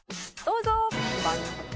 どうぞ！